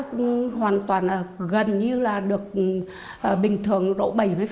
tôi cũng đã hoàn toàn gần như là được bình thường độ bảy mươi